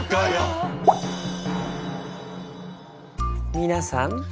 皆さん。